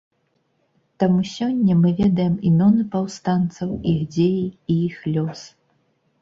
Таму сёння мы ведаем імёны паўстанцаў, іх дзеі, і іх лёс.